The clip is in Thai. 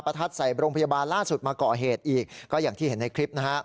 ทัดใส่โรงพยาบาลล่าสุดมาก่อเหตุอีกก็อย่างที่เห็นในคลิปนะฮะ